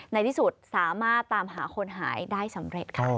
ในที่สุดสามารถตามหาคนหายได้สำเร็จค่ะ